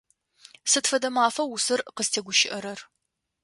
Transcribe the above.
Сыд фэдэ мафа усэр къызтегущыӏэрэр?